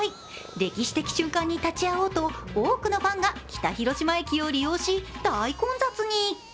歴史的瞬間に立ち会おうと多くのファンが北広島駅を利用し大混雑。